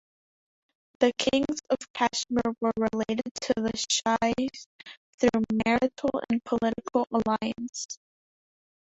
The kings of Kashmir were related to the Shahis through marital and political alliance.